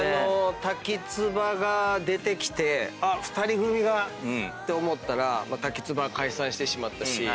タキツバが出てきてあっ２人組が！って思ったらタキツバ解散してしまったし。